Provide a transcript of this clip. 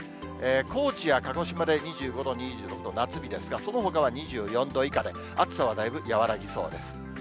高知や鹿児島で２５度、２６度、夏日ですが、そのほかは２４度以下で、暑さはだいぶ和らぎそうです。